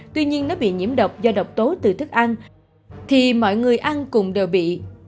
tuy nhiên nó bị nhiễm độc do độc tố từ thức ăn thì mọi người ăn cùng đều bị